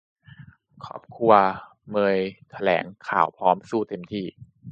ครอบครัวเมยแถลงข่าวพร้อมสู้เต็มที่